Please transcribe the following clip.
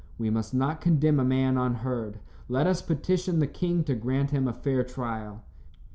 We must not condemn a man unheard. Let us petition the king to grant him a fair trial."